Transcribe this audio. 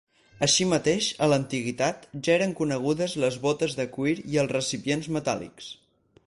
Així mateix, a l'Antiguitat ja eren conegudes les bótes de cuir i els recipients metàl·lics.